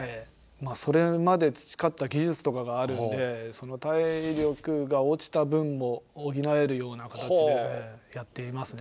それまでつちかった技術とかがあるんでその体力が落ちた分も補えるような形でやっていますね。